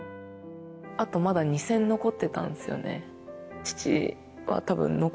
あとまだ２戦残ってたんですよね。